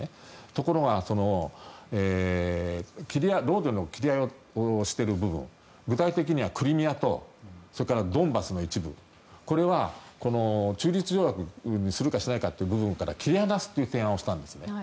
ところが領土の切り合いをしている部分具体的にはクリミアとドンバスの一部これは中立条約にするかしないかという部分から切り離すという提案をしたんですね。